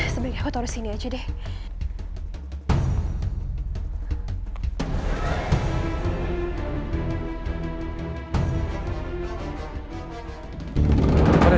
sebenarnya aku taruh sini aja deh